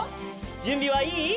じゅんびはいい？